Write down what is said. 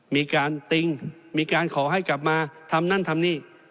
มีการติ้งมีการขอให้กลับมาทำนั่นทำนี่